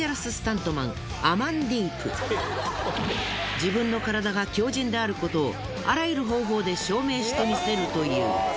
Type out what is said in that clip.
自分の体が強靭であることをあらゆる方法で証明してみせるという。